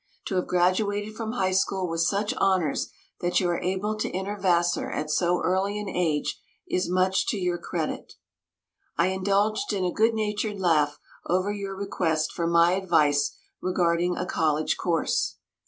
To have graduated from high school with such honours that you are able to enter Vassar at so early an age is much to your credit. I indulged in a good natured laugh over your request for my advice regarding a college course.